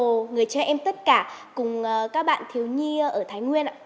bác hồ người trẻ em tất cả cùng các bạn thiếu nhi ở thái nguyên